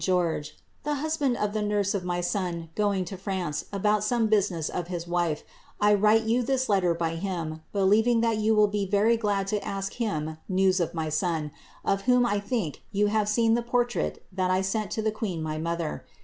George,* "■ The husband of tlie nurse of my son going to France about some business of bis wife, I write you this letter by him, believing that you will be very glad to ask him news of my son, of whom I think you have seen the portrait that I sent to the queen my mother.